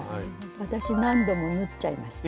私何度も縫っちゃいました。